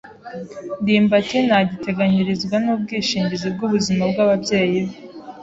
ndimbati ntagiteganyirizwa n'ubwishingizi bw'ubuzima bw'ababyeyi be.